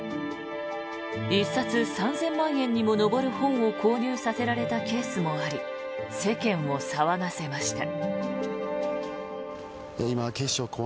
１冊３０００万円にも上る本を購入させられたケースもあり世間を騒がせました。